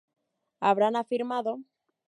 habrán afirmado